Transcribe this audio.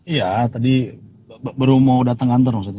iya tadi baru mau datang kantor maksudnya